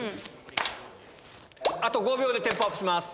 あと５秒でテンポアップします。